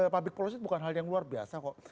public policy bukan hal yang luar biasa kok